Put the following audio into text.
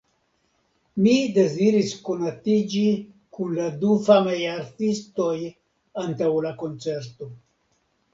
Mi deziris konatiĝi kun la du famaj artistoj antaŭ la koncerto.